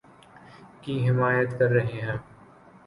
کی حمایت کر رہے ہیں